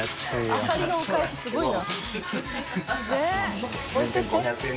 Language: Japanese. アサリのお返しすごいな。